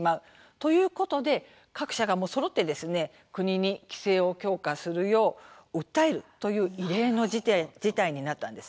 そういうことで各社はそろって国に規制を強化するよう訴えるという異例の事態になったんです。